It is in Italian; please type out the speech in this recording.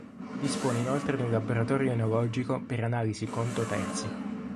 Dispone inoltre di un laboratorio enologico per analisi conto terzi.